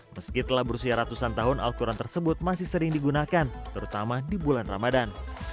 meski telah berusia ratusan tahun al quran tersebut masih sering digunakan terutama di bulan ramadan